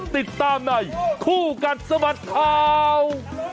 ติดตามในคู่กัดสะบัดข่าว